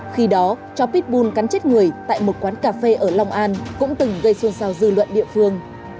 khi đó chó pitbull cắn chết người tại một quán cà phê ở long an cũng từng gây xuân sao dư luận địa phương